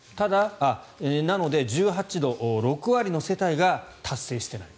なので１８度、６割の世帯が達成していない。